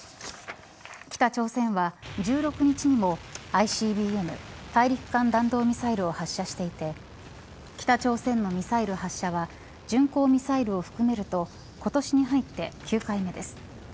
北朝鮮は１６日にもＩＣＢＭ大陸間弾道ミサイルを発射していて北朝鮮のミサイル発射は巡航ミサイルを含めると今年に入って９回目です。